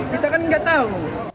kita kan nggak tahu